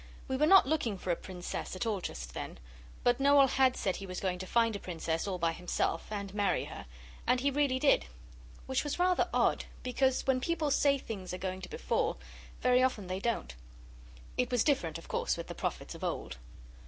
We were not looking for a Princess at all just then; but Noel had said he was going to find a Princess all by himself; and marry her and he really did. Which was rather odd, because when people say things are going to befall, very often they don't. It was different, of course, with the prophets of old.